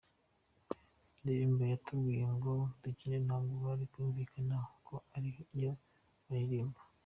Indirimbo batubwiye ngo dukine ntabwo bari bayumvikanyeho ko ari yo baririmba.